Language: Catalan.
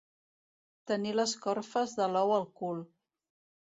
Tenir les corfes de l'ou al cul.